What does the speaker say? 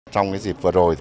trong dịp vừa rồi